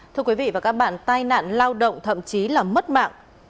thưa quý vị và các bạn tai nạn lao động thậm chí là mất mạng